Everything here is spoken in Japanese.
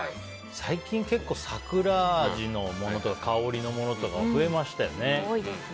最近結構、桜味のものとか香りのものとかが増えましたよね。